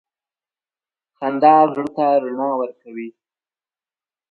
• خندا زړه ته رڼا ورکوي.